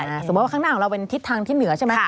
สมมุติว่าข้างหน้าของเราเป็นทิศทางที่เหนือใช่ไหม